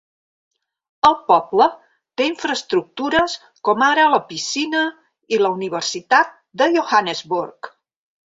El poble té infraestructures com ara la piscina i la Universitat de Johannesburg.